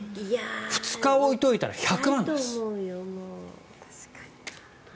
２日置いておいたら１００万です。